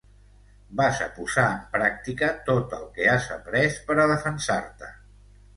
Vas a posar en pràctica tot el que has aprés per a defensar-te.